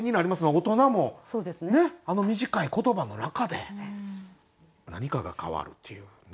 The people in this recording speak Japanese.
大人もねあの短い言葉の中で何かが変わるっていうね。